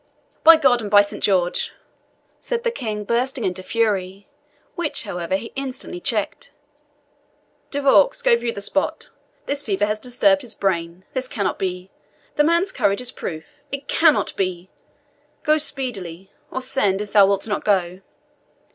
"By God and by Saint George!" said the King, bursting into fury, which, however, he instantly checked. "De Vaux, go view the spot. This fever has disturbed his brain. This cannot be. The man's courage is proof. It CANNOT be! Go speedily or send, if thou wilt not go."